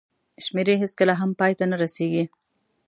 شمېرې هېڅکله هم پای ته نه رسېږي.